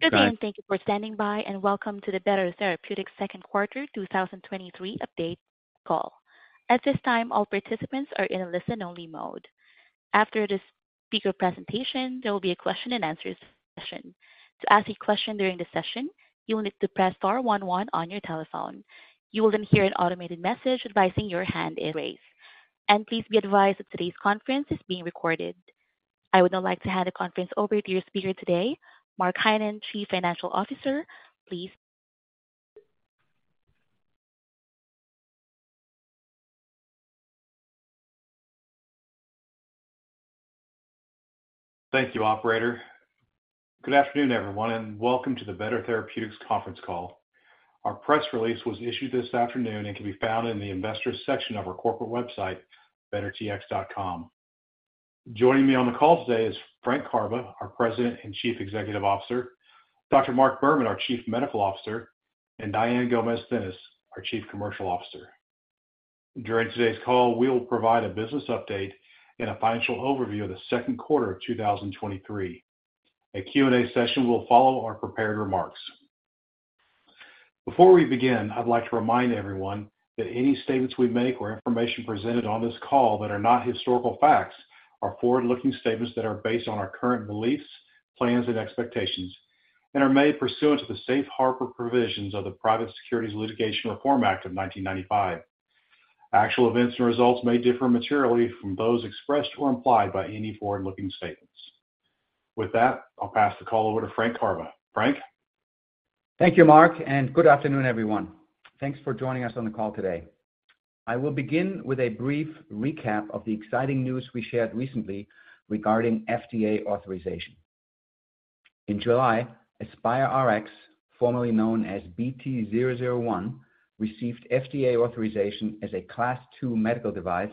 Good day, and thank you for standing by, and welcome to the Better Therapeutics second quarter 2023 update call. At this time, all participants are in a listen-only mode. After the speaker presentation, there will be a question and answer session. To ask a question during the session, you will need to press star one one on your telephone. You will then hear an automated message advising your hand is raised. Please be advised that today's conference is being recorded. I would now like to hand the conference over to your speaker today, Mark Heinen, Chief Financial Officer. Please. Thank you, operator. Good afternoon, everyone, and welcome to the Better Therapeutics conference call. Our press release was issued this afternoon and can be found in the Investors section of our corporate website, bettertx.com. Joining me on the call today is Frank Karbe, our President and Chief Executive Officer, Dr. Mark Berman, our Chief Medical Officer, and Diane Gomez-Thinnes, our Chief Commercial Officer. During today's call, we will provide a business update and a financial overview of the second quarter of 2023. A Q&A session will follow our prepared remarks. Before we begin, I'd like to remind everyone that any statements we make or information presented on this call that are not historical facts are forward-looking statements that are based on our current beliefs, plans, and expectations, and are made pursuant to the Safe Harbor provisions of the Private Securities Litigation Reform Act of 1995. Actual events and results may differ materially from those expressed or implied by any forward-looking statements. With that, I'll pass the call over to Frank Karbe. Frank? Thank you, Mark. Good afternoon, everyone. Thanks for joining us on the call today. I will begin with a brief recap of the exciting news we shared recently regarding FDA authorization. In July, AspyreRx, formerly known as BT-001, received FDA authorization as a Class II medical device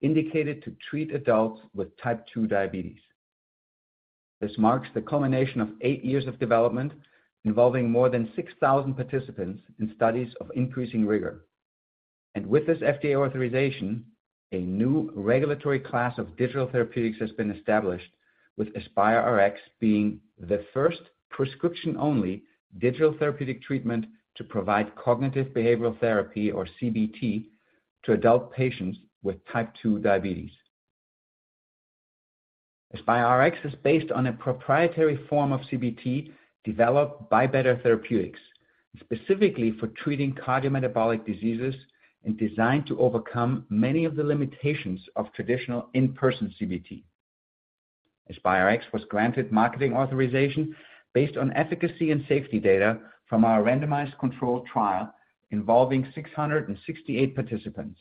indicated to treat adults with type 2 diabetes. This marks the culmination of eight years of development involving more than 6,000 participants in studies of increasing rigor. With this FDA authorization, a new regulatory class of digital therapeutics has been established, with AspyreRx being the first prescription-only digital therapeutic treatment to provide cognitive behavioral therapy or CBT to adult patients with type 2 diabetes. AspyreRx is based on a proprietary form of CBT developed by Better Therapeutics, specifically for treating cardiometabolic diseases and designed to overcome many of the limitations of traditional in-person CBT. AspyreRx was granted marketing authorization based on efficacy and safety data from our randomized controlled trial involving 668 participants,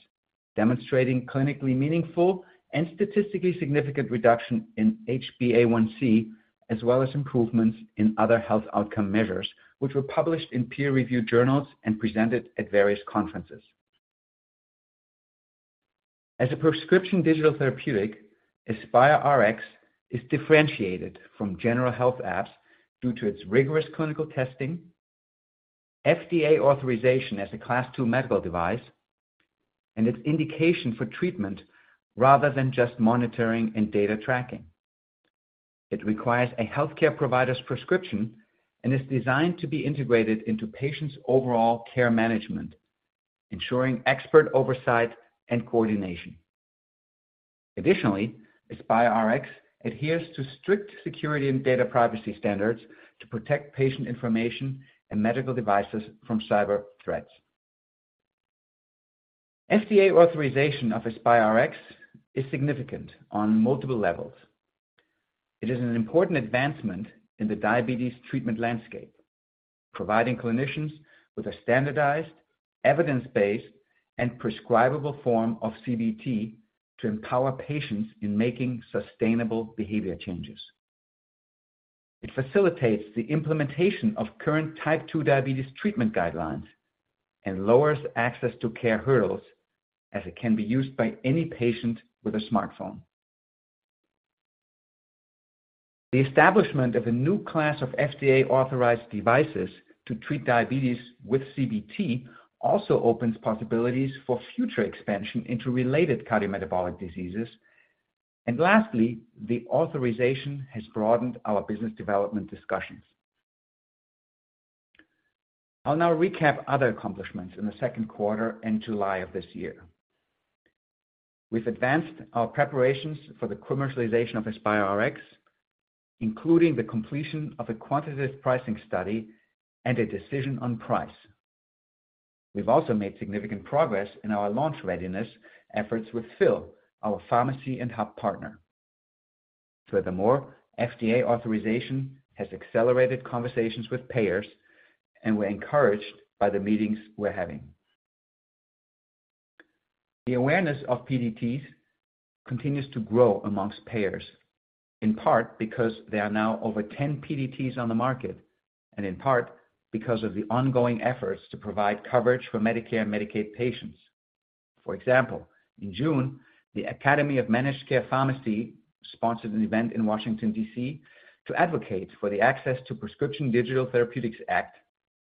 demonstrating clinically meaningful and statistically significant reduction in HbA1c, as well as improvements in other health outcome measures, which were published in peer-reviewed journals and presented at various conferences. As a prescription digital therapeutic, AspyreRx is differentiated from general health apps due to its rigorous clinical testing, FDA authorization as a Class II medical device, and its indication for treatment, rather than just monitoring and data tracking. It requires a healthcare provider's prescription and is designed to be integrated into patients' overall care management, ensuring expert oversight and coordination. Additionally, AspyreRx adheres to strict security and data privacy standards to protect patient information and medical devices from cyber threats. FDA authorization of AspyreRx is significant on multiple levels. It is an important advancement in the diabetes treatment landscape, providing clinicians with a standardized, evidence-based, and prescribable form of CBT to empower patients in making sustainable behavior changes. It facilitates the implementation of current type 2 diabetes treatment guidelines and lowers access to care hurdles as it can be used by any patient with a smartphone. The establishment of a new class of FDA-authorized devices to treat diabetes with CBT also opens possibilities for future expansion into related cardiometabolic diseases. Lastly, the authorization has broadened our business development discussions. I'll now recap other accomplishments in the second quarter and July of this year. We've advanced our preparations for the commercialization of AspyreRx, including the completion of a quantitative pricing study and a decision on price. We've also made significant progress in our launch readiness efforts with Phil, our pharmacy and hub partner. Furthermore, FDA authorization has accelerated conversations with payers. We're encouraged by the meetings we're having. The awareness of PDTs continues to grow amongst payers, in part because there are now over 10 PDTs on the market, and in part because of the ongoing efforts to provide coverage for Medicare and Medicaid patients. For example, in June, the Academy of Managed Care Pharmacy sponsored an event in Washington, D.C., to advocate for the Access to Prescription Digital Therapeutics Act,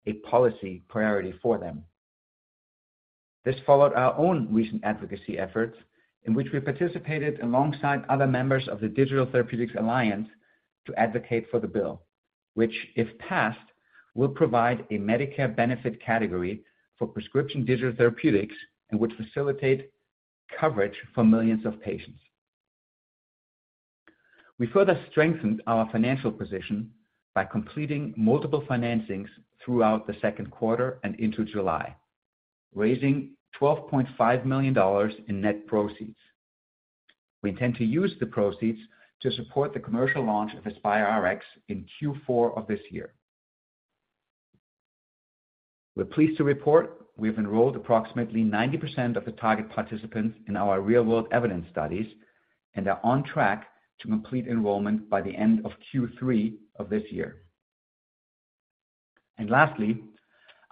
a policy priority for them. This followed our own recent advocacy efforts, in which we participated alongside other members of the Digital Therapeutics Alliance to advocate for the bill, which, if passed, will provide a Medicare benefit category for prescription digital therapeutics and which facilitate coverage for millions of patients. We further strengthened our financial position by completing multiple financings throughout the second quarter and into July, raising $12.5 million in net proceeds. We intend to use the proceeds to support the commercial launch of AspyreRx in Q4 of this year. We're pleased to report we have enrolled approximately 90% of the target participants in our real-world evidence studies and are on track to complete enrollment by the end of Q3 of this year. Lastly,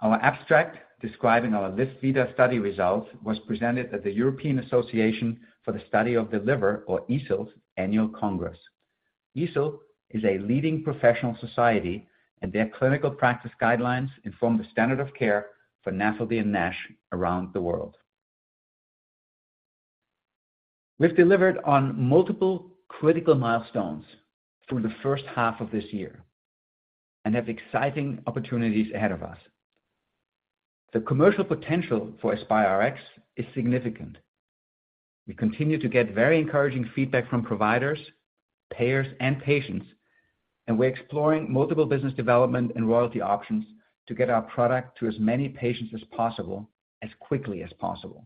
our abstract describing our LivVita study results, was presented at the European Association for the Study of the Liver or EASL's Annual Congress. EASL is a leading professional society. Their clinical practice guidelines inform the standard of care for NASH around the world. We've delivered on multiple critical milestones through the first half of this year and have exciting opportunities ahead of us. The commercial potential for AspyreRx is significant. We continue to get very encouraging feedback from providers, payers, and patients, and we're exploring multiple business development and royalty options to get our product to as many patients as possible, as quickly as possible.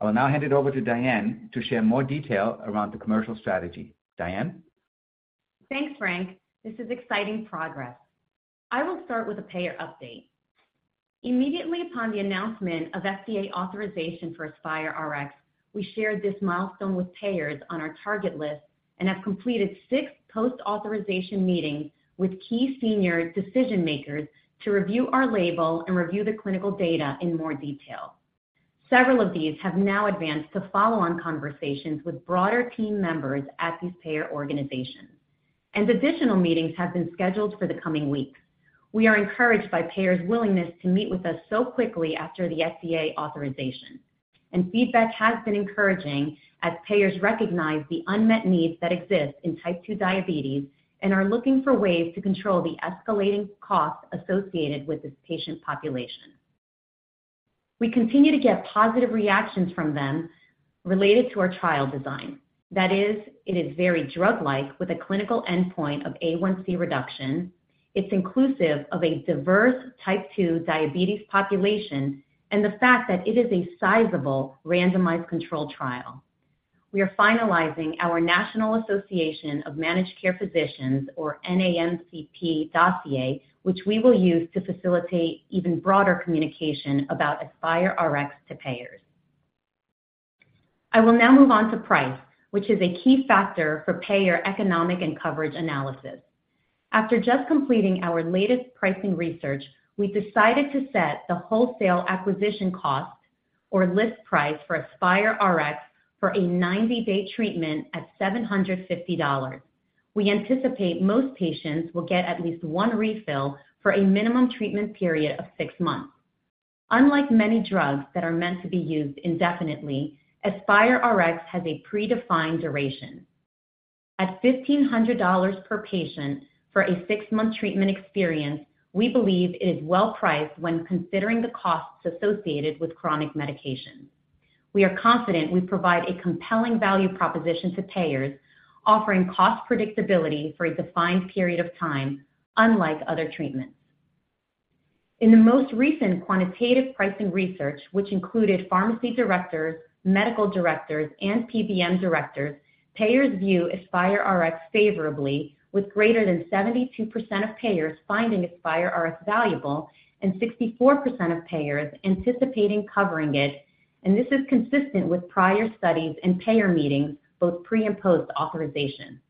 I will now hand it over to Diane to share more detail around the commercial strategy. Diane? Thanks, Frank. This is exciting progress. I will start with a payer update. Immediately upon the announcement of FDA authorization for AspyreRx, we shared this milestone with payers on our target list and have completed six post-authorization meetings with key senior decision makers to review our label and review the clinical data in more detail. Several of these have now advanced to follow-on conversations with broader team members at these payer organizations, and additional meetings have been scheduled for the coming weeks. We are encouraged by payers' willingness to meet with us so quickly after the FDA authorization, and feedback has been encouraging as payers recognize the unmet needs that exist in type 2 diabetes and are looking for ways to control the escalating costs associated with this patient population. We continue to get positive reactions from them related to our trial design. That is, it is very drug-like, with a clinical endpoint of A1C reduction. It's inclusive of a diverse type 2 diabetes population and the fact that it is a sizable randomized controlled trial. We are finalizing our National Association of Managed Care Physicians, or NAMCP dossier, which we will use to facilitate even broader communication about AspyreRx to payers. I will now move on to price, which is a key factor for payer, economic, and coverage analysis. After just completing our latest pricing research, we decided to set the wholesale acquisition cost or list price for AspyreRx for a 90-day treatment at $750. We anticipate most patients will get at least one refill for a minimum treatment period of six months. Unlike many drugs that are meant to be used indefinitely, AspyreRx has a predefined duration. At $1,500 per patient for a six-month treatment experience, we believe it is well priced when considering the costs associated with chronic medications. We are confident we provide a compelling value proposition to payers, offering cost predictability for a defined period of time, unlike other treatments. In the most recent quantitative pricing research, which included pharmacy directors, medical directors, and PBM directors, payers view AspyreRx favorably, with greater than 72% of payers finding AspyreRx valuable and 64% of payers anticipating covering it. This is consistent with prior studies and payer meetings, both pre and post-authorization.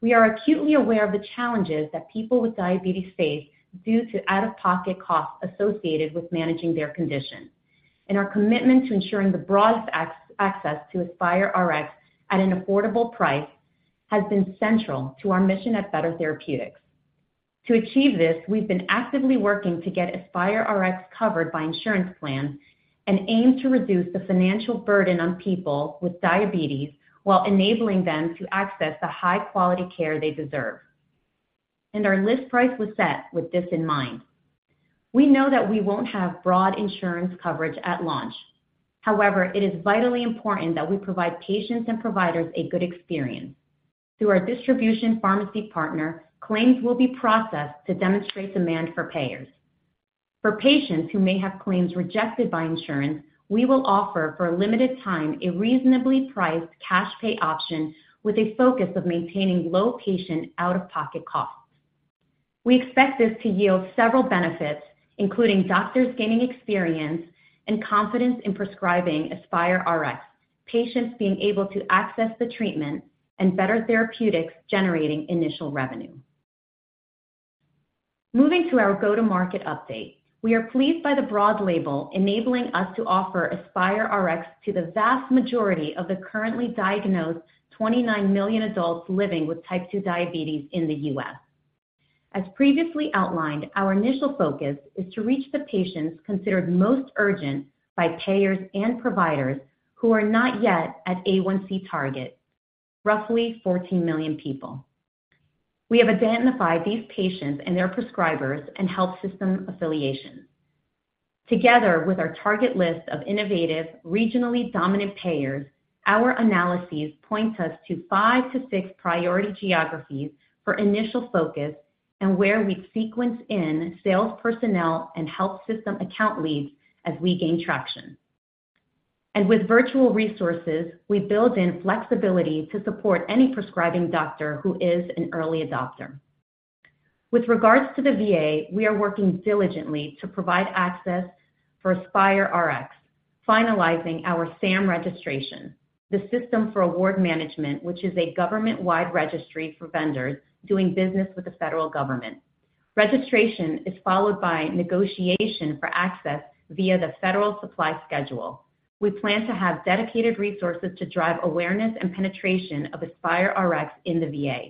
We are acutely aware of the challenges that people with diabetes face due to out-of-pocket costs associated with managing their condition. Our commitment to ensuring the broadest access to AspyreRx at an affordable price has been central to our mission at Better Therapeutics. To achieve this, we've been actively working to get AspyreRx covered by insurance plans and aim to reduce the financial burden on people with diabetes while enabling them to access the high-quality care they deserve. Our list price was set with this in mind. We know that we won't have broad insurance coverage at launch. However, it is vitally important that we provide patients and providers a good experience. Through our distribution pharmacy partner, claims will be processed to demonstrate demand for payers. For patients who may have claims rejected by insurance, we will offer, for a limited time, a reasonably priced cash pay option with a focus of maintaining low patient out-of-pocket costs. We expect this to yield several benefits, including doctors gaining experience and confidence in prescribing AspyreRx, patients being able to access the treatment, and Better Therapeutics generating initial revenue. Moving to our go-to-market update. We are pleased by the broad label, enabling us to offer AspyreRx to the vast majority of the currently diagnosed 29 million adults living with type two diabetes in the U.S. As previously outlined, our initial focus is to reach the patients considered most urgent by payers and providers who are not yet at A1C target, roughly 14 million people. We have identified these patients and their prescribers and health system affiliations. Together with our target list of innovative, regionally dominant payers, our analyses point us to five-six priority geographies for initial focus and where we sequence in sales personnel and health system account leads as we gain traction. With virtual resources, we build in flexibility to support any prescribing doctor who is an early adopter. With regards to the VA, we are working diligently to provide access for AspyreRx, finalizing our SAM registration, the System for Award Management, which is a government-wide registry for vendors doing business with the federal government. Registration is followed by negotiation for access via the Federal Supply Schedule. We plan to have dedicated resources to drive awareness and penetration of AspyreRx in the VA.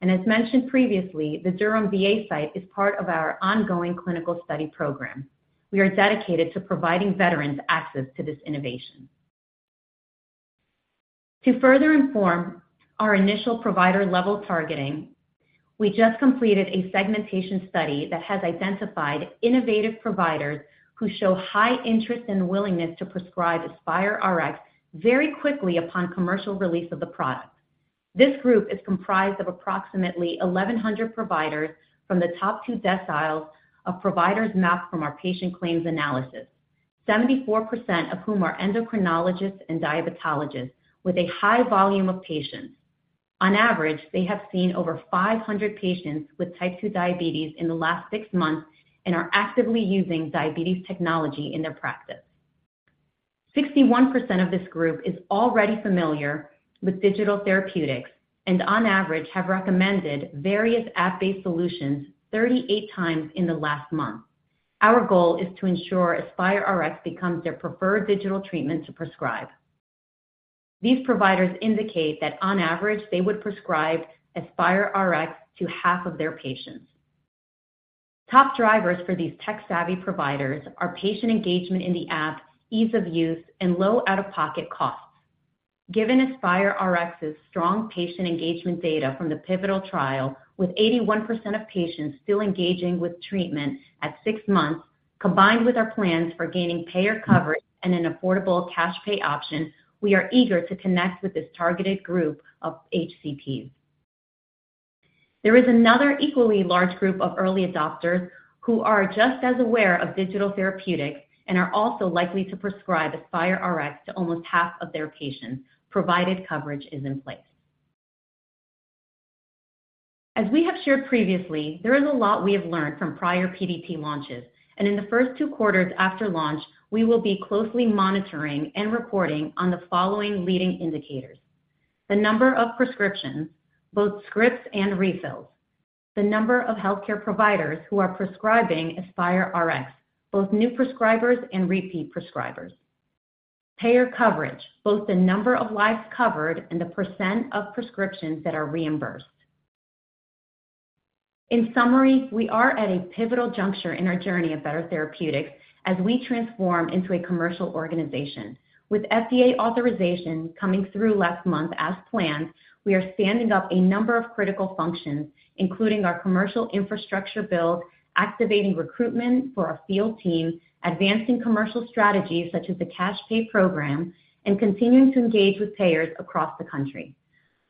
As mentioned previously, the Durham VA site is part of our ongoing clinical study program. We are dedicated to providing veterans access to this innovation. To further inform our initial provider-level targeting, we just completed a segmentation study that has identified innovative providers who show high interest and willingness to prescribe AspyreRx very quickly upon commercial release of the product. This group is comprised of approximately 1,100 providers from the top 2 deciles of providers mapped from our patient claims analysis, 74% of whom are endocrinologists and diabetologists with a high volume of patients. On average, they have seen over 500 patients with type 2 diabetes in the last six months and are actively using diabetes technology in their practice. 61% of this group is already familiar with digital therapeutics and on average, have recommended various app-based solutions 38 times in the last month. Our goal is to ensure AspyreRx becomes their preferred digital treatment to prescribe. These providers indicate that on average, they would prescribe AspyreRx to half of their patients. Top drivers for these tech-savvy providers are patient engagement in the app, ease of use, and low out-of-pocket costs. Given AspyreRx's strong patient engagement data from the pivotal trial, with 81% of patients still engaging with treatment at six months, combined with our plans for gaining payer coverage and an affordable cash pay option, we are eager to connect with this targeted group of HCPs. There is another equally large group of early adopters who are just as aware of digital therapeutics and are also likely to prescribe AspyreRx to almost half of their patients, provided coverage is in place. As we have shared previously, there is a lot we have learned from prior PDT launches. In the first two quarters after launch, we will be closely monitoring and reporting on the following leading indicators: The number of prescriptions, both scripts and refills. The number of healthcare providers who are prescribing AspyreRx, both new prescribers and repeat prescribers. Payer coverage, both the number of lives covered and the % of prescriptions that are reimbursed. In summary, we are at a pivotal juncture in our journey of Better Therapeutics as we transform into a commercial organization. With FDA authorization coming through last month as planned, we are standing up a number of critical functions, including our commercial infrastructure build, activating recruitment for our field team, advancing commercial strategies such as the cash pay program, and continuing to engage with payers across the country.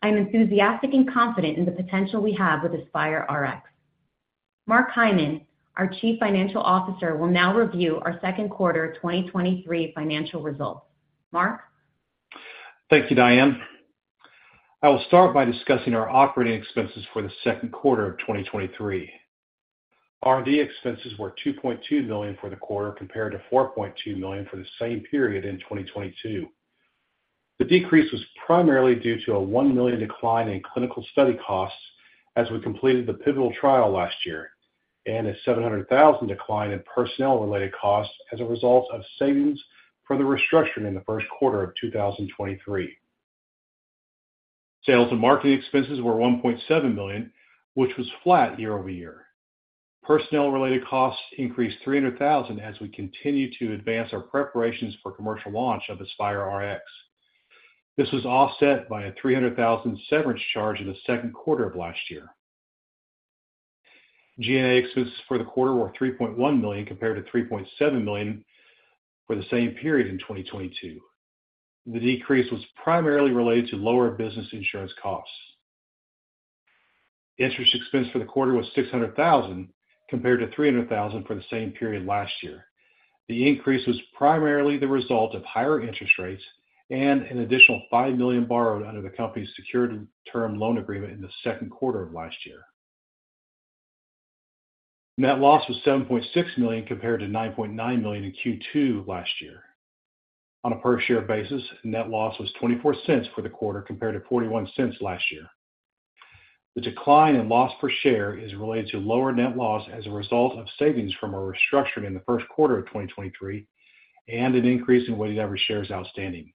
I'm enthusiastic and confident in the potential we have with AspyreRx. Mark Heinen, our Chief Financial Officer, will now review our second quarter 2023 financial results. Mark? Thank you, Diane. I will start by discussing our operating expenses for the second quarter of 2023. R&D expenses were $2.2 million for the quarter, compared to $4.2 million for the same period in 2022. The decrease was primarily due to a $1 million decline in clinical study costs as we completed the pivotal trial last year, and a $700,000 decline in personnel-related costs as a result of savings from the restructuring in the first quarter of 2023. Sales and marketing expenses were $1.7 million, which was flat year-over-year. Personnel-related costs increased $300,000 as we continue to advance our preparations for commercial launch of AspyreRx. This was offset by a $300,000 severance charge in the second quarter of last year. G&A expenses for the quarter were $3.1 million, compared to $3.7 million for the same period in 2022. The decrease was primarily related to lower business insurance costs. Interest expense for the quarter was $600,000, compared to $300,000 for the same period last year. The increase was primarily the result of higher interest rates and an additional $5 million borrowed under the company's secured term loan agreement in the second quarter of last year. Net loss was $7.6 million, compared to $9.9 million in Q2 last year. On a per-share basis, net loss was $0.24 for the quarter, compared to $0.41 last year. The decline in loss per share is related to lower net loss as a result of savings from our restructuring in the first quarter of 2023 and an increase in weighted average shares outstanding.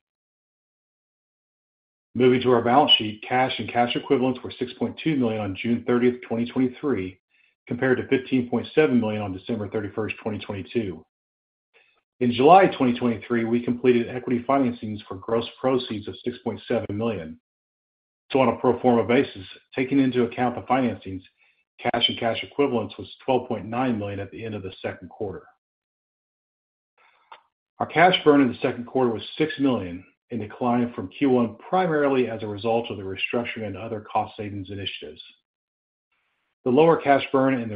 Moving to our balance sheet, cash and cash equivalents were $6.2 million on June 30th, 2023, compared to $15.7 million on December 31st, 2022. In July 2023, we completed equity financings for gross proceeds of $6.7 million. On a pro forma basis, taking into account the financings, cash and cash equivalents was $12.9 million at the end of the second quarter. Our cash burn in the second quarter was $6 million, a decline from Q1, primarily as a result of the restructuring and other cost savings initiatives. The lower cash burn and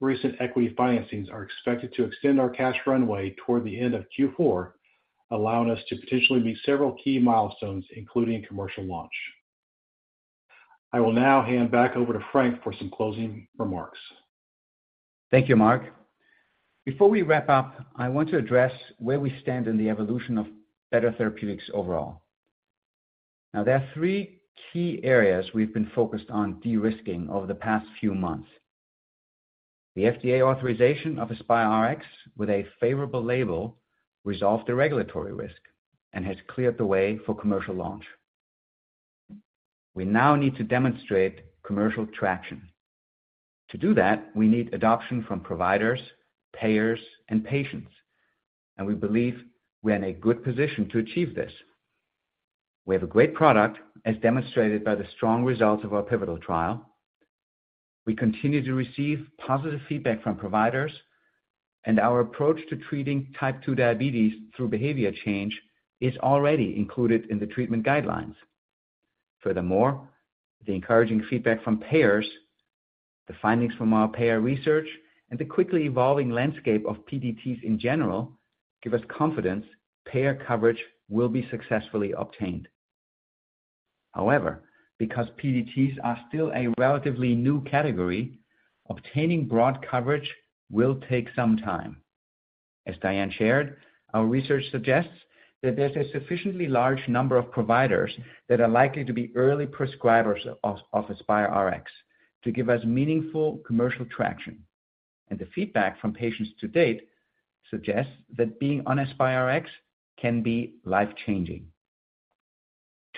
the recent equity financings are expected to extend our cash runway toward the end of Q4, allowing us to potentially meet several key milestones, including commercial launch. I will now hand back over to Frank for some closing remarks. Thank you, Mark. Before we wrap up, I want to address where we stand in the evolution of Better Therapeutics overall. Now, there are three key areas we've been focused on de-risking over the past few months. The FDA authorization of AspyreRx with a favorable label resolved the regulatory risk and has cleared the way for commercial launch. We now need to demonstrate commercial traction. To do that, we need adoption from providers, payers, and patients, and we believe we are in a good position to achieve this. We have a great product, as demonstrated by the strong results of our pivotal trial. We continue to receive positive feedback from providers, and our approach to treating type two diabetes through behavior change is already included in the treatment guidelines. Furthermore, the encouraging feedback from payers, the findings from our payer research, and the quickly evolving landscape of PDTs in general, give us confidence payer coverage will be successfully obtained. However, because PDTs are still a relatively new category, obtaining broad coverage will take some time. As Diane shared, our research suggests that there's a sufficiently large number of providers that are likely to be early prescribers of AspyreRx to give us meaningful commercial traction. The feedback from patients to date suggests that being on AspyreRx can be life-changing.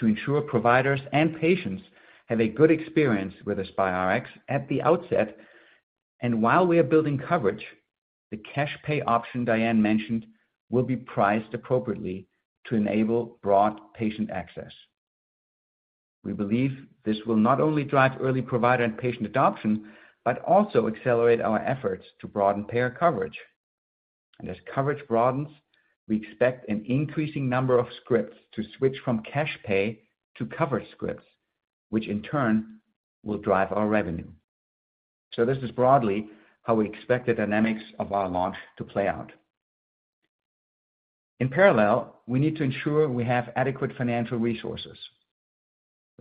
To ensure providers and patients have a good experience with AspyreRx at the outset, and while we are building coverage, the cash pay option Diane mentioned will be priced appropriately to enable broad patient access. We believe this will not only drive early provider and patient adoption, but also accelerate our efforts to broaden payer coverage. As coverage broadens, we expect an increasing number of scripts to switch from cash pay to covered scripts, which in turn will drive our revenue. This is broadly how we expect the dynamics of our launch to play out. In parallel, we need to ensure we have adequate financial resources.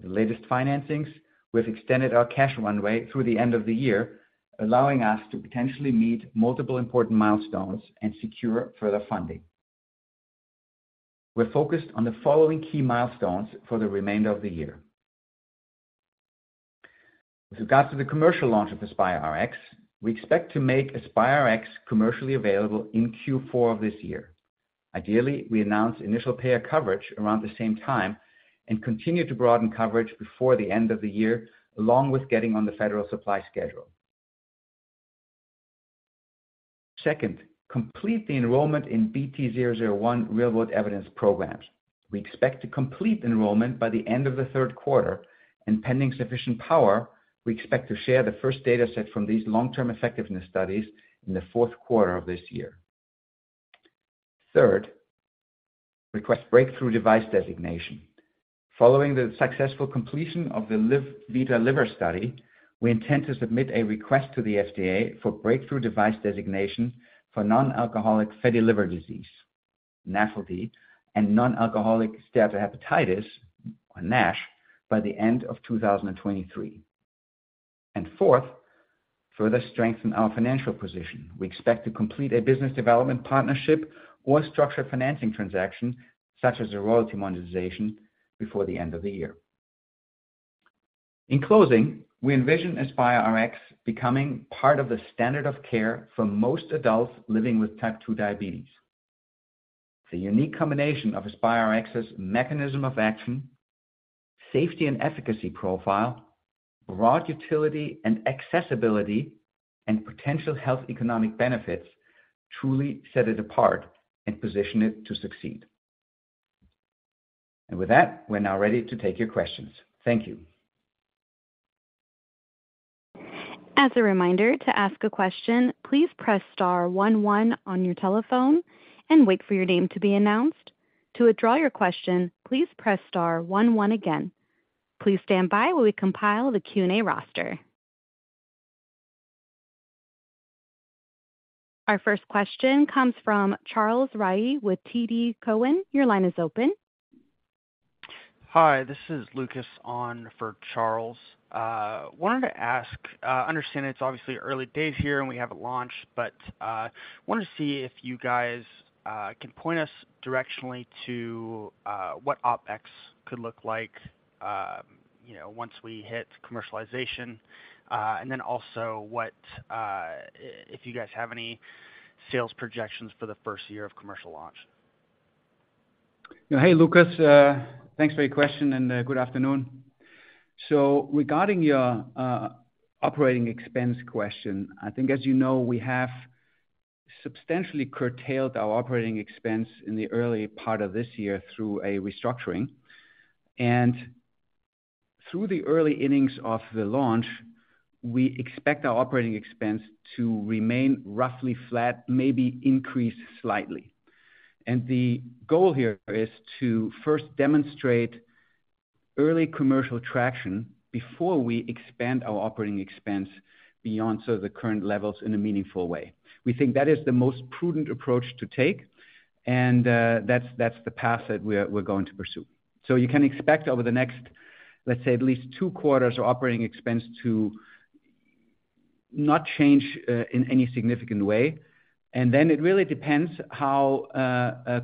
The latest financings, we've extended our cash runway through the end of the year, allowing us to potentially meet multiple important milestones and secure further funding. We're focused on the following key milestones for the remainder of the year. With regards to the commercial launch of AspyreRx, we expect to make AspyreRx commercially available in Q4 of this year. Ideally, we announce initial payer coverage around the same time and continue to broaden coverage before the end of the year, along with getting on the Federal Supply Schedule. Second, complete the enrollment in BT-001 real-world evidence programs. We expect to complete enrollment by the end of the third quarter, and pending sufficient power, we expect to share the first data set from these long-term effectiveness studies in the fourth quarter of this year. Third, request breakthrough device designation. Following the successful completion of the LivVita liver study, we intend to submit a request to the FDA for breakthrough device designation for non-alcoholic fatty liver disease, NAFLD, and non-alcoholic steatohepatitis, or NASH, by the end of 2023. Fourth, further strengthen our financial position. We expect to complete a business development partnership or structured financing transaction, such as a royalty monetization, before the end of the year. In closing, we envision AspyreRx becoming part of the standard of care for most adults living with type two diabetes. The unique combination of AspyreRx's mechanism of action, safety and efficacy profile, broad utility and accessibility, and potential health economic benefits truly set it apart and position it to succeed. With that, we're now ready to take your questions. Thank you. As a reminder, to ask a question, please press star one one on your telephone and wait for your name to be announced. To withdraw your question, please press star one one again. Please stand by while we compile the Q&A roster. Our first question comes from Charles Rhyee with TD Cowen. Your line is open. Hi, this is Lucas on for Charles. Wanted to ask, I understand it's obviously early days here and we have it launched, but wanted to see if you guys can point us directionally to what OpEx could look like, you know, once we hit commercialization. Then also what if you guys have any sales projections for the first year of commercial launch? Hey, Lucas, thanks for your question, and good afternoon. Regarding your operating expense question, I think, as you know, we have substantially curtailed our operating expense in the early part of this year through a restructuring. Through the early innings of the launch, we expect our operating expense to remain roughly flat, maybe increase slightly. The goal here is to first demonstrate early commercial traction before we expand our operating expense beyond sort of the current levels in a meaningful way. We think that is the most prudent approach to take, and that's, that's the path that we're, we're going to pursue. You can expect over the next, let's say, at least two quarters of operating expense to not change in any significant way. Then it really depends how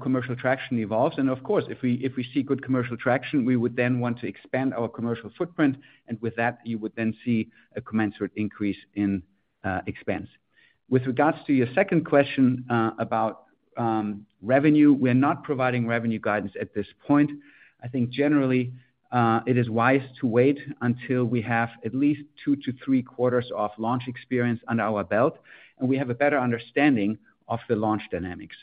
commercial traction evolves. Of course, if we, if we see good commercial traction, we would then want to expand our commercial footprint, and with that, you would then see a commensurate increase in expense. With regards to your second question, about revenue, we're not providing revenue guidance at this point. I think generally, it is wise to wait until we have at least two to three quarters of launch experience under our belt, and we have a better understanding of the launch dynamics.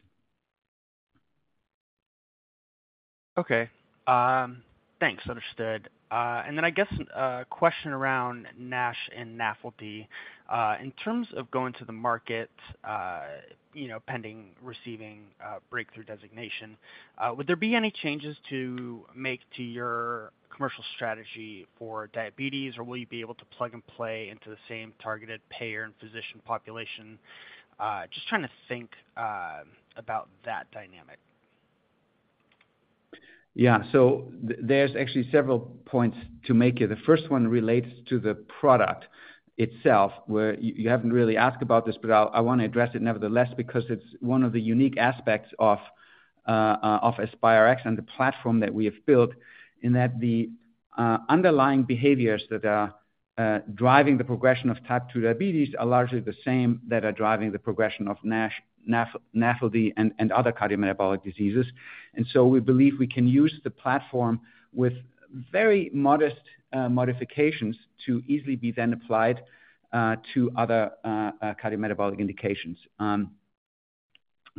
Okay. Thanks, understood. Then I guess, a question around NASH and NAFLD. In terms of going to the market, you know, pending receiving, Breakthrough Designation, would there be any changes to make to your commercial strategy for diabetes, or will you be able to plug and play into the same targeted payer and physician population? Just trying to think about that dynamic. Yeah. So there's actually several points to make here. The first one relates to the product itself, where you haven't really asked about this, but I want to address it nevertheless, because it's one of the unique aspects of AspyreRx and the platform that we have built, in that the underlying behaviors that are driving the progression of type two diabetes are largely the same, that are driving the progression of NASH, NAFLD and, and other cardiometabolic diseases. So we believe we can use the platform with very modest modifications to easily be then applied to other cardiometabolic indications.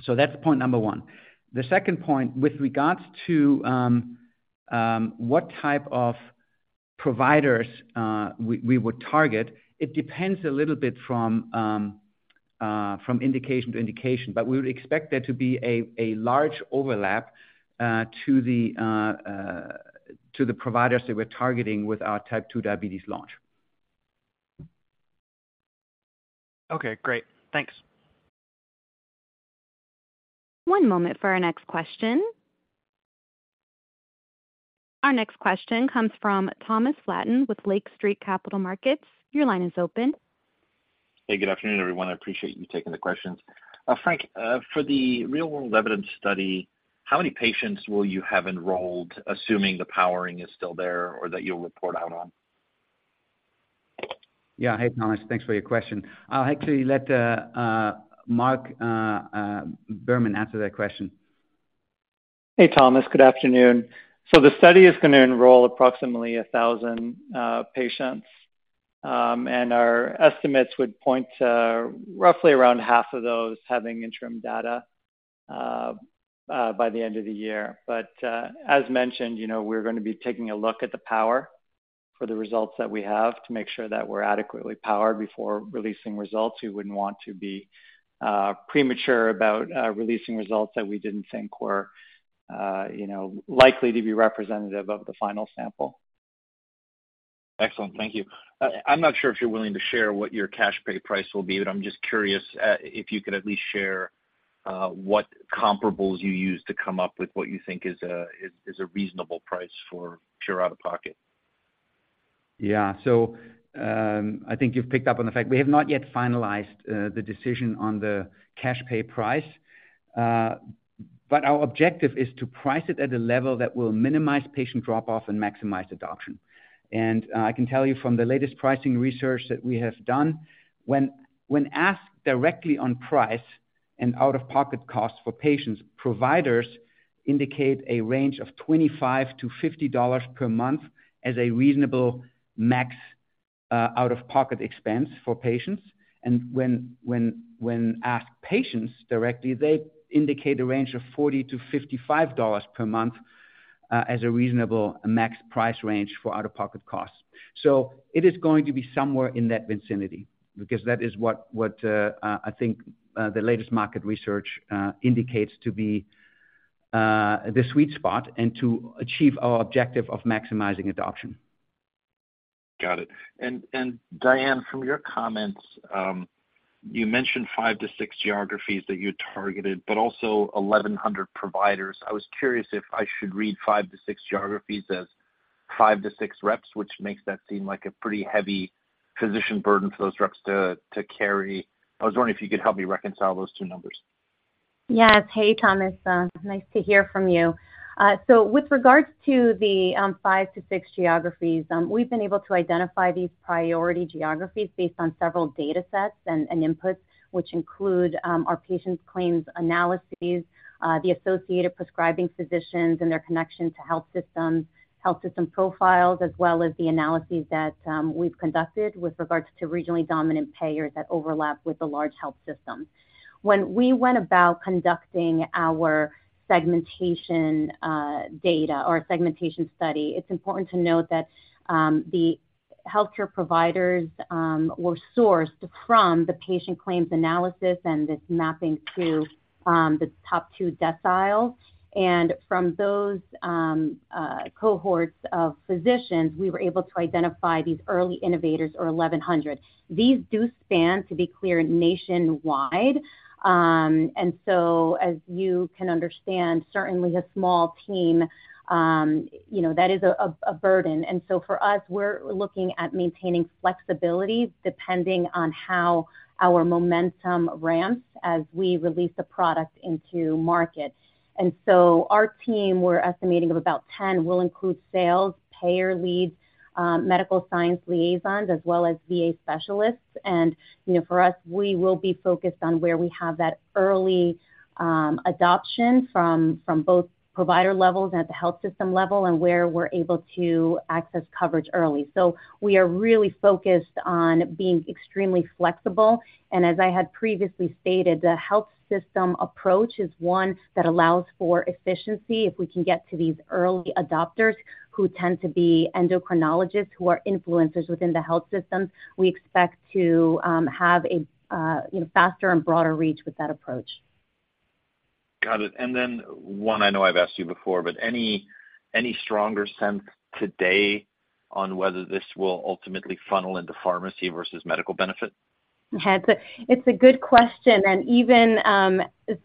So that's point number one. The second point, with regards to what type of providers we would target, it depends a little bit from indication to indication. We would expect there to be a large overlap to the providers that we're targeting with our type 2 diabetes launch. Okay, great. Thanks. One moment for our next question. Our next question comes from Thomas Flaten with Lake Street Capital Markets. Your line is open. Hey, good afternoon, everyone. I appreciate you taking the questions. Frank, for the real-world evidence study, how many patients will you have enrolled, assuming the powering is still there or that you'll report out on? Yeah. Hey, Thomas, thanks for your question. I'll actually let Mark Berman answer that question. Hey, Thomas, good afternoon. The study is going to enroll approximately 1,000 patients, and our estimates would point to roughly around half of those having interim data by the end of the year. As mentioned, you know, we're going to be taking a look at the power for the results that we have to make sure that we're adequately powered before releasing results. We wouldn't want to be premature about releasing results that we didn't think were, you know, likely to be representative of the final sample. Excellent. Thank you. I'm not sure if you're willing to share what your cash pay price will be, but I'm just curious, if you could at least share, what comparables you used to come up with what you think is a, is, is a reasonable price for pure out-of-pocket? Yeah. I think you've picked up on the fact we have not yet finalized the decision on the cash pay price. Our objective is to price it at a level that will minimize patient drop-off and maximize adoption. I can tell you from the latest pricing research that we have done, when, when asked directly on price and out-of-pocket costs for patients, providers indicate a range of $25-$50 per month as a reasonable max out-of-pocket expense for patients. When, when, when asked patients directly, they indicate a range of $40-$55 per month as a reasonable max price range for out-of-pocket costs. It is going to be somewhere in that vicinity, because that is what, what, I think, the latest market research, indicates to be the sweet spot and to achieve our objective of maximizing adoption. Got it. Diane, from your comments, you mentioned five-six geographies that you targeted, but also 1,100 providers. I was curious if I should read five-six geographies as five-six reps, which makes that seem like a pretty heavy physician burden for those reps to, to carry. I was wondering if you could help me reconcile those two numbers? Yes. Hey, Thomas. Nice to hear from you. With regards to the five-six geographies, we've been able to identify these priority geographies based on several datasets and inputs, which include our patients' claims analyses, the associated prescribing physicians and their connection to health systems, health system profiles, as well as the analyses that we've conducted with regards to regionally dominant payers that overlap with the large health system. When we went about conducting our segmentation data or segmentation study, it's important to note that the healthcare providers were sourced from the patient claims analysis and this mapping to the top 2 deciles. From those cohorts of physicians, we were able to identify these early innovators or 1,100. These do span, to be clear, nationwide. As you can understand, certainly a small team, you know, that is a burden. For us, we're looking at maintaining flexibility depending on how our momentum ramps as we release the product into market. Our team, we're estimating of about 10, will include sales, payer leads, medical science liaisons, as well as VA specialists. You know, for us, we will be focused on where we have that early adoption from both provider levels and at the health system level, and where we're able to access coverage early. We are really focused on being extremely flexible, and as I had previously stated, the health system approach is one that allows for efficiency. If we can get to these early adopters, who tend to be endocrinologists, who are influencers within the health system, we expect to, you know, have a faster and broader reach with that approach. Got it. Then one I know I've asked you before, but any, any stronger sense today on whether this will ultimately funnel into pharmacy versus medical benefit? Yeah, it's a, it's a good question, and even,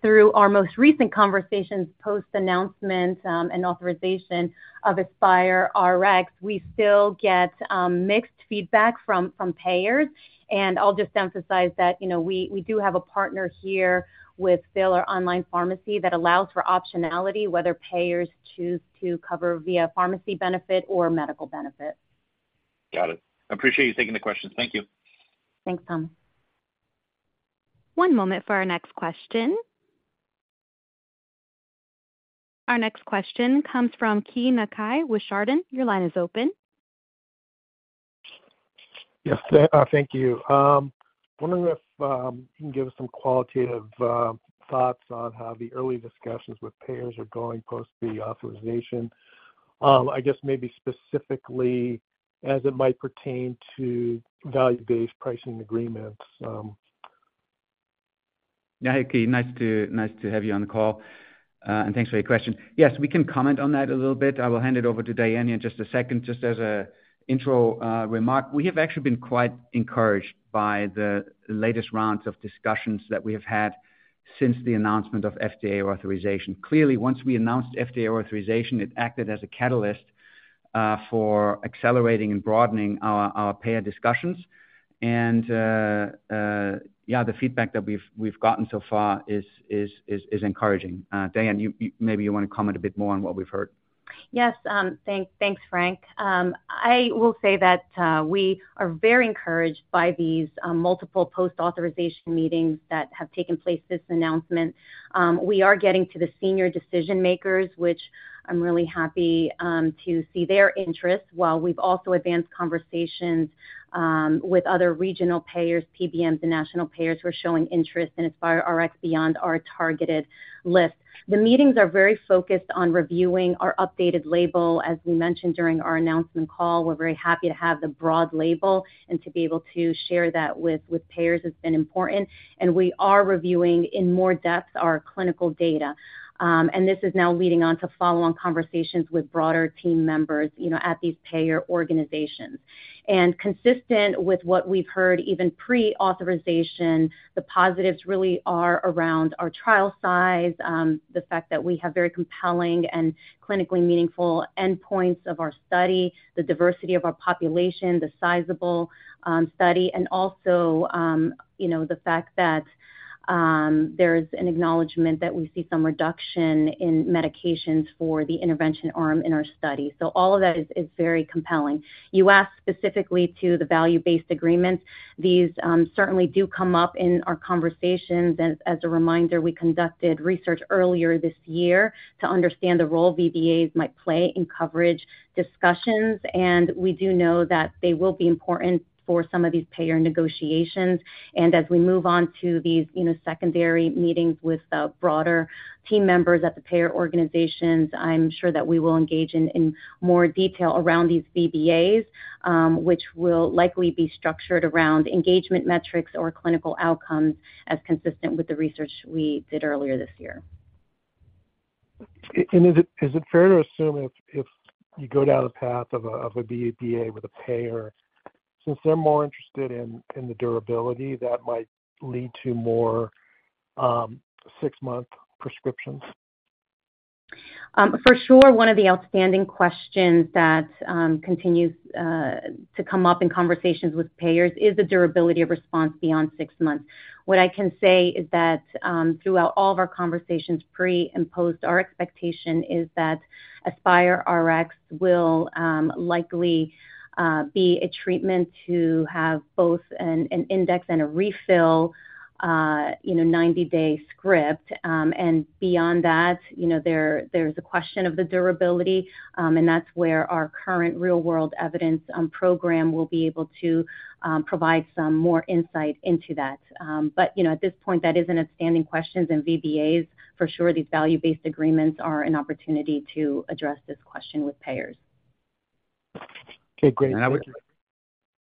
through our most recent conversations post-announcement, and authorization of AspyreRx, we still get, mixed feedback from, from payers. I'll just emphasize that, you know, we, we do have a partner here with Phil or online pharmacy that allows for optionality, whether payers choose to cover via pharmacy benefit or medical benefit. Got it. I appreciate you taking the questions. Thank you. Thanks, Tom. One moment for our next question. Our next question comes from Keay Nakae with Chardan. Your line is open. Yes, thank you. Wondering if you can give us some qualitative thoughts on how the early discussions with payers are going post the authorization? I guess maybe specifically as it might pertain to value-based pricing agreements. Yeah, Keay, nice to, nice to have you on the call, and thanks for your question. Yes, we can comment on that a little bit. I will hand it over to Diane in just a second. Just as a intro remark, we have actually been quite encouraged by the latest rounds of discussions that we have had since the announcement of FDA authorization. Clearly, once we announced FDA authorization, it acted as a catalyst for accelerating and broadening our, our payer discussions. Yeah, the feedback that we've, we've gotten so far is, is, is, is encouraging. Diane, you, you maybe you want to comment a bit more on what we've heard. Yes, thanks. Thanks, Frank. I will say that we are very encouraged by these multiple post-authorization meetings that have taken place this announcement. We are getting to the senior decision-makers, which I'm really happy to see their interest, while we've also advanced conversations with other regional payers, PBMs, and national payers who are showing interest in AspyreRx beyond our targeted list. The meetings are very focused on reviewing our updated label. As we mentioned during our announcement call, we're very happy to have the broad label and to be able to share that with, with payers. It's been important. We are reviewing in more depth our clinical data. This is now leading on to follow-on conversations with broader team members, you know, at these payer organizations. Consistent with what we've heard, even pre-authorization, the positives really are around our trial size, the fact that we have very compelling and clinically meaningful endpoints of our study, the diversity of our population, the sizable study, and also, you know, the fact that there is an acknowledgment that we see some reduction in medications for the intervention arm in our study. All of that is, is very compelling. You asked specifically to the Value-Based Agreements. These certainly do come up in our conversations. As a reminder, we conducted research earlier this year to understand the role VBAs might play in coverage discussions, and we do know that they will be important for some of these payer negotiations. As we move on to these, you know, secondary meetings with the broader team members at the payer organizations, I'm sure that we will engage in, in more detail around these VBAs, which will likely be structured around engagement metrics or clinical outcomes, as consistent with the research we did earlier this year. is it, is it fair to assume if, if you go down the path of a, of a VBA with a payer, since they're more interested in, in the durability, that might lead to more, six-month prescriptions?... for sure, one of the outstanding questions that continues to come up in conversations with payers is the durability of response beyond 6 months. What I can say is that throughout all of our conversations pre and post, our expectation is that AspyreRx will likely be a treatment to have both an, an index and a refill, you know, 90-day script. Beyond that, you know, there, there's a question of the durability, and that's where our current real-world evidence program will be able to provide some more insight into that. At this point, that is an outstanding question, and VBAs, for sure, these value-based agreements are an opportunity to address this question with payers. Okay, great. I would--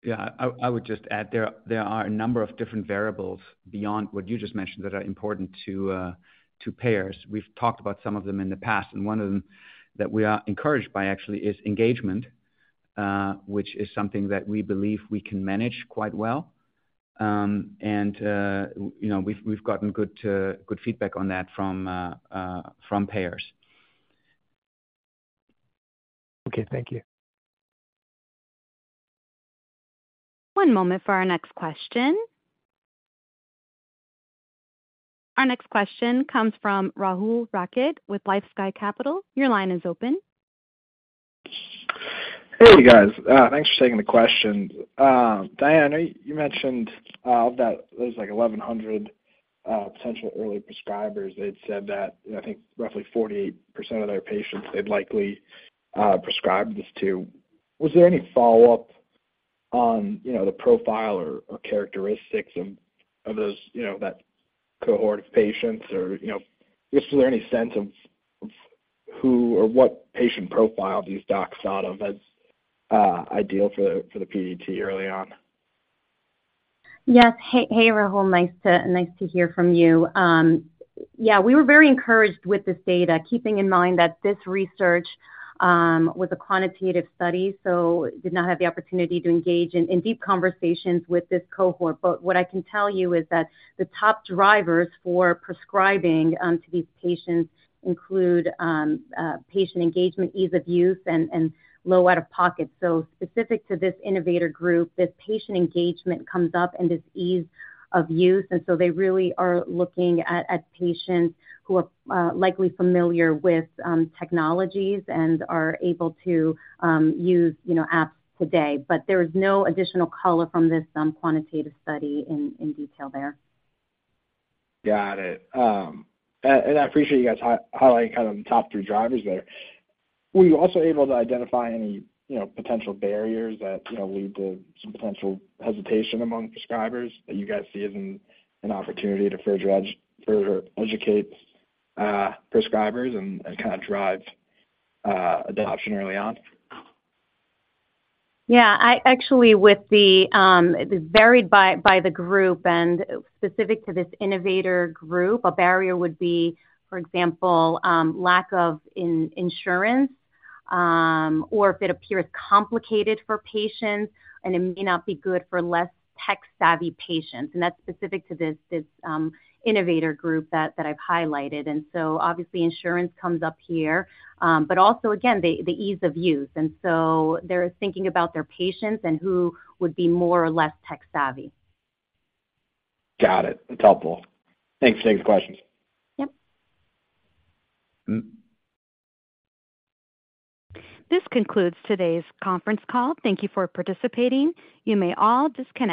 Yeah, I, I would just add, there, there are a number of different variables beyond what you just mentioned that are important to, to payers. We've talked about some of them in the past, and one of them that we are encouraged by, actually, is engagement, which is something that we believe we can manage quite well. You know, we've, we've gotten good, good feedback on that from, from payers. Okay, thank you. One moment for our next question. Our next question comes from Rahul Rakhit with LifeSci Capital. Your line is open. Hey, you guys. Thanks for taking the question. Diane, I know you mentioned that there's, like, 1,100 potential early prescribers. They'd said that, I think, roughly 48% of their patients, they'd likely prescribe this to. Was there any follow-up on, you know, the profile or, or characteristics of, of those, you know, that cohort of patients? Just is there any sense of, of who or what patient profile these docs thought of as ideal for the, for the PDT early on? Yes. Hey, hey, Rahul. Nice to, nice to hear from you. Yeah, we were very encouraged with this data, keeping in mind that this research was a quantitative study, did not have the opportunity to engage in, in deep conversations with this cohort. What I can tell you is that the top drivers for prescribing to these patients include patient engagement, ease of use, and low out-of-pocket. Specific to this innovator group, this patient engagement comes up and this ease of use, they really are looking at, at patients who are likely familiar with technologies and are able to use, you know, apps today. There is no additional color from this quantitative study in, in detail there. Got it. I appreciate you guys highlighting kind of the top three drivers there. Were you also able to identify any, you know, potential barriers that, you know, lead to some potential hesitation among prescribers that you guys see as an opportunity to further educate prescribers and kind of drive adoption early on? Yeah, I actually, with the, it varied by, by the group and specific to this innovator group, a barrier would be, for example, lack of insurance, or if it appears complicated for patients, and it may not be good for less tech-savvy patients, and that's specific to this, this, innovator group that, that I've highlighted. Obviously insurance comes up here, but also again, the, the ease of use. They're thinking about their patients and who would be more or less tech savvy. Got it. That's helpful. Thanks for taking the questions. Yep. Mm. This concludes today's conference call. Thank you for participating. You may all disconnect.